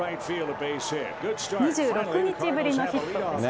２６日ぶりのヒットでした。